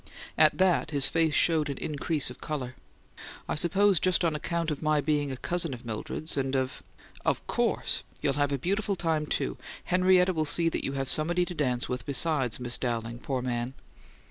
At that his face showed an increase of colour. "I suppose just on account of my being a cousin of Mildred's and of " "Of course! You'll have a beautiful time, too. Henrietta'll see that you have somebody to dance with besides Miss Dowling, poor man!"